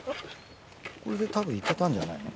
これでたぶん行けたんじゃないの？